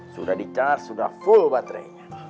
sudah di charge sudah full baterainya